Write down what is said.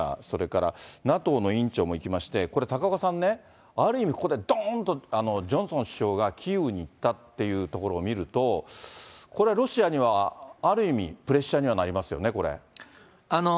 それからＮＡＴＯの委員長も行きまして、これ高岡さんね、ある意味ここで、どーんとジョンソン首相がキーウに行ったっていうところを見ると、これはロシアには、ある意味プレッシャーにはなりますよね、これ。